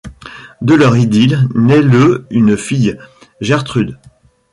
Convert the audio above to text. De leur idylle naît le une fille, Gertrud.